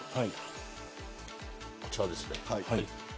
こちらですね。